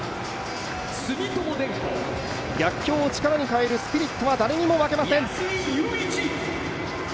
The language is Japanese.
逆境を力に変えるスピリットは誰にも負けません。